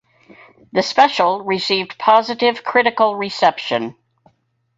The special received positive critical reception.